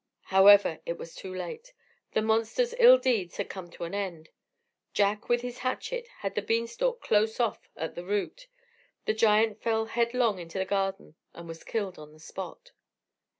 However, it was too late the monster's ill deeds had come to an end. Jack with his hatchet cut the bean stalk close off at the root; the giant fell headlong into the garden, and was killed on the spot.